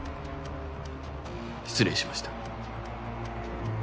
失礼しました。